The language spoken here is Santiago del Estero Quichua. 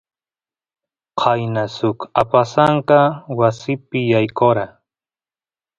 qayna suk apasanka wasipi yaykora